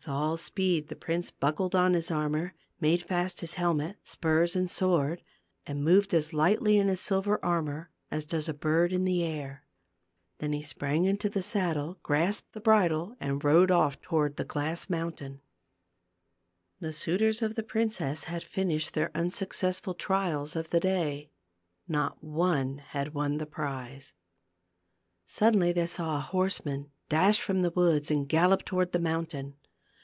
With all speed the prince buckled on his ar mor, made fast his helmet, spurs and sword, and moved as lightly in his silver armor as does a bird in the air. Then he sprang into the saddle, grasped the bridle and rode off toward the glass mountain. 272 THE GLASS MOUNTAIN. The suitors of the princess had finished their unsuccessful trials of the day ; not one had won the prize. Suddenly they saw a horseman dash from the woods and gallop toward the mountain.